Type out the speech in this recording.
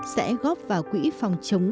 sẽ góp vào quỹ phòng chống